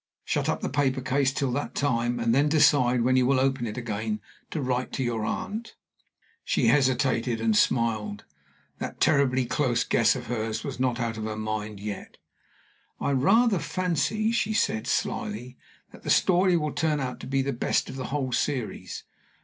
Shut up the paper case till that time, and then decide when you will open it again to write to your aunt." She hesitated and smiled. That terribly close guess of hers was not out of her mind yet. "I rather fancy," she said, slyly, "that the story will turn out to be the best of the whole series."